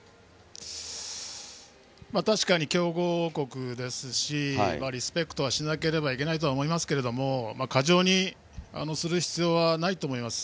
強豪国ですしリスペクトはしなければいけないと思いますけども過剰にする必要はないと思います。